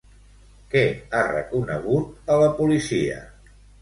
Què ha reconegut a la policia?